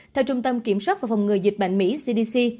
theo trung tâm kiểm soát và phòng ngừa dịch bệnh mỹ cdc